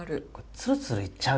ツルツルいっちゃう。